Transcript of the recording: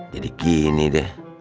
jadi gini deh